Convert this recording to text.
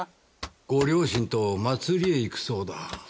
ご両親と祭りへ行くそうだ。